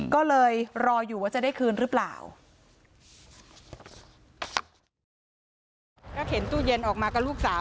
ก็เลยรออยู่ว่าจะได้คืนหรือเปล่า